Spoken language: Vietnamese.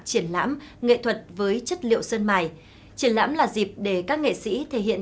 triển lãm nghệ thuật với chất liệu sơn mài triển lãm là dịp để các nghệ sĩ thể hiện